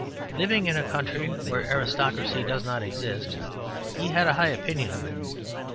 Living in a country where aristocracy does not exist, he had a high opinion of it.